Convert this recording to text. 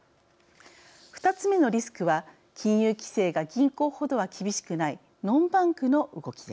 ２つ目のリスクは金融規制が銀行ほどは厳しくないノンバンクの動きです。